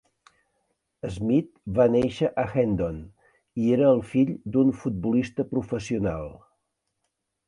Smith va néixer a Hendon, i era el fill d'un futbolista professional.